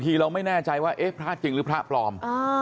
เราไม่แน่ใจว่าเอ๊ะพระจริงหรือพระปลอม